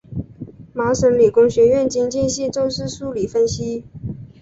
麻省理工学院经济系重视数理分析。